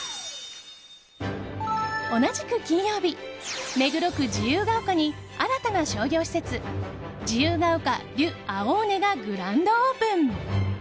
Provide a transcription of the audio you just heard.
同じく金曜日目黒区自由が丘に新たな商業施設自由が丘デュアオーネがグランドオープン。